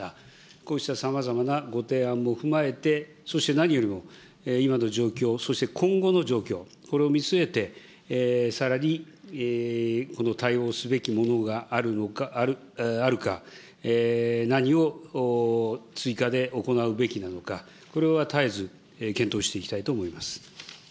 こうしたさまざまなご提案も踏まえて、そして何よりも今の状況、そして今後の状況、これを見据えて、さらにこの対応すべきものがあるか、何を追加で行うべきなのか、これは絶えず検討していきたいと思います。